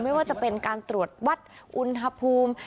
ไม่ว่าจะเป็นการตรวจวัดอุณหภูมิ